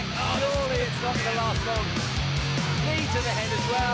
นั่นคือสิ่งที่เราต้องคิดว่ามันจะเป็นอะไรหรือเปล่า